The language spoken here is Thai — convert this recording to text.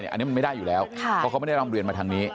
อันนี้มันไม่ได้อยู่แล้วเพราะเขาไม่ได้รำเรียนมาทางนี้